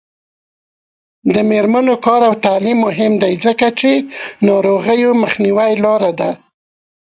د میرمنو کار او تعلیم مهم دی ځکه چې ناروغیو مخنیوي لاره ده.